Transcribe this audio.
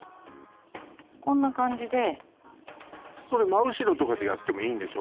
こんな感じでそれ真後ろとかでやってもいいんでしょ？